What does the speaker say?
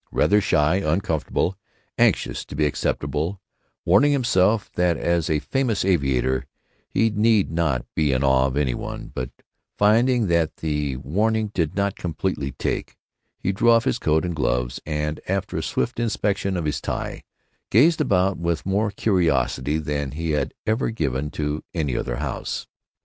Rather shy, uncomfortable, anxious to be acceptable, warning himself that as a famous aviator he need not be in awe of any one, but finding that the warning did not completely take, he drew off his coat and gloves and, after a swift inspection of his tie, gazed about with more curiosity than he had ever given to any other house.